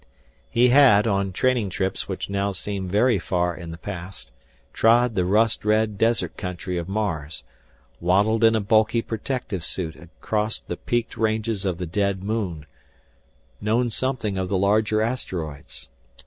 He had, on training trips which now seemed very far in the past, trod the rust red desert country of Mars, waddled in a bulky protective suit across the peaked ranges of the dead Moon, known something of the larger asteroids.